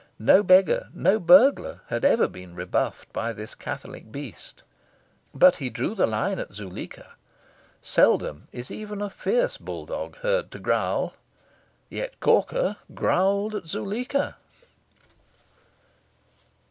No beggar, no burglar, had ever been rebuffed by this catholic beast. But he drew the line at Zuleika. Seldom is even a fierce bulldog heard to growl. Yet Corker growled at Zuleika.